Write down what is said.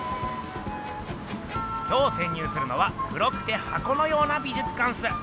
今日せん入するのは黒くて箱のような美術館っす。